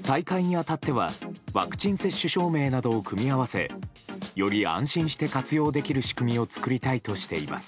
再開に当たってはワクチン接種証明などを組み合わせより安心して活用できる仕組みを作りたいとしています。